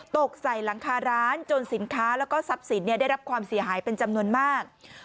ตกใส่หลังคาร้านจนสินค้าแล้วก็ทรัพย์สินได้รับความเสียหายเป็นจำนวนมาก